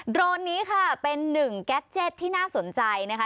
โรนนี้ค่ะเป็นหนึ่งแก๊สเจ็ตที่น่าสนใจนะคะ